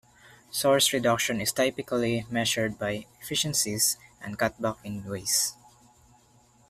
Source reduction is typically measured by efficiencies and cutbacks in waste.